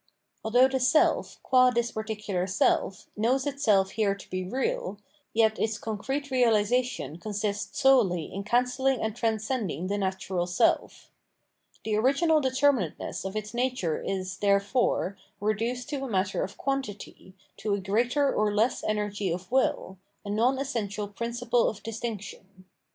Although the self, qua this particular self, knows itself here to be real, yet its concrete reahsation consists solely in cancelling and transcending the natural self. The original determinateness of its nature is, therefore, reduced to a matter of quantity, to a greater or less energy of will, a non essential principle of distinc tion.